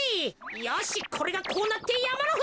よしこれがこうなってやまのふじっと！